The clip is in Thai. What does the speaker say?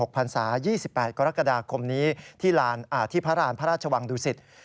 ๖๖พันศา๒๘กรกฎาคมนี้ที่พระราชวังดุสิต